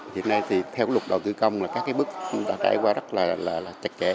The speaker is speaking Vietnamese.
hiện nay thì theo luật đầu tư công là các cái bước đã trải qua rất là chặt chẽ